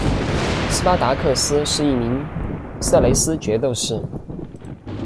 斯巴达克斯是一名色雷斯角斗士。